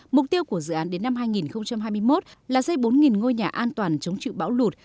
mục tiêu của dự án đến năm hai nghìn hai mươi một là xây bốn ngôi nhà an toàn chống chịu bão lụt